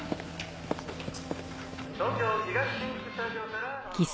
「東京東新宿スタジオから生放送」